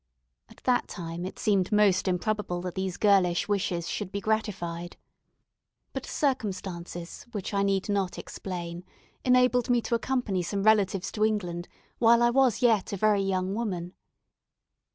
At that time it seemed most improbable that these girlish wishes should be gratified; but circumstances, which I need not explain, enabled me to accompany some relatives to England while I was yet a very young woman.